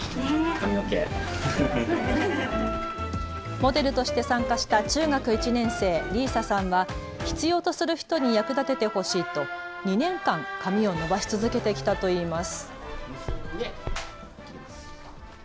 モデルとして参加した中学１年生りいささんは必要とする人に役立ててほしいと２年間、髪を伸ばし続けてきたといいます。